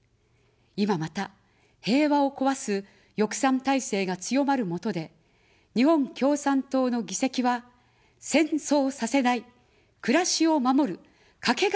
いままた、平和を壊す翼賛体制が強まるもとで、日本共産党の議席は、戦争させない、暮らしを守る、かけがえのない力です。